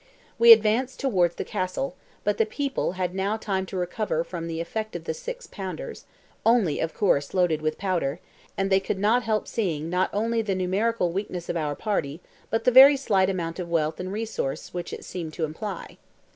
We advanced towards the castle, but the people had now had time to recover from the effect of the six pounders (only of course loaded with powder), and they could not help seeing not only the numerical weakness of our party, but the very slight amount of wealth and resource which it seemed to imply.